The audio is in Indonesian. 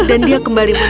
dan dia kembali menangis